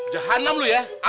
jahannam lu ya